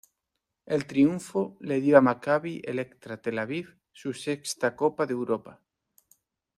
El triunfo le dio a Maccabi Electra Tel Aviv su sexta Copa de Europa.